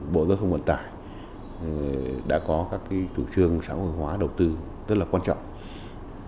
bộ giao thông vận tải đã có các chủ trương xã hội hóa đầu tư rất là quan trọng